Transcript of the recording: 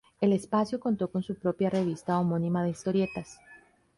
El espacio contó con su propia revista homónima de historietas.